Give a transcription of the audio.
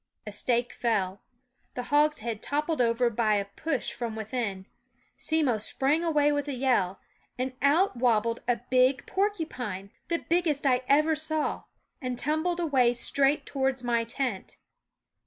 A stake fell ; the hogshead toppled over by a push from within ; Simmo sprang away with a yell ; and out wobbled a big porcu pine, the biggest I ever saw, and tumbled away straight towards my tent.